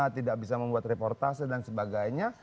tidak bisa membuat reportase dan sebagainya